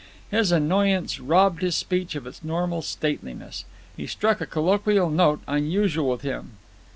His annoyance robbed his speech of its normal stateliness. He struck a colloquial note unusual with him.